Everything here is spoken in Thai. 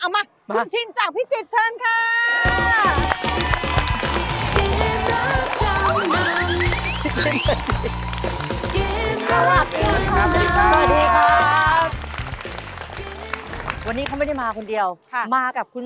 มาคุณชินจากพิจิตรเชิญค่ะ